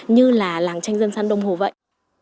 như là làng tranh dân sân đông hồ vậy